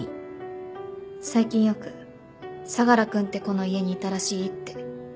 「最近よく相楽君って子の家にいたらしい」って。